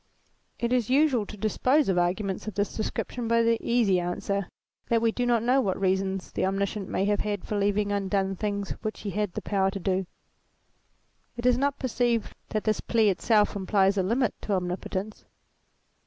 It is usual to dispose of arguments of this description by the easy answer, that we do not know what wise reasons the Omniscient may have had for leaving undone things which he had the power to do. It is not perceived that this plea itself implies a limit to Omnipotence.